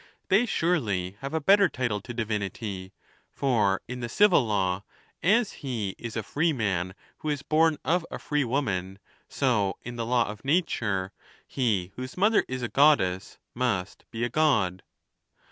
They surely have a better title to divinity ; for, in the civil law, as he is a freeman who is born of a freewoman, so, in the law of nature, he whose mother is a Goddess must be a God.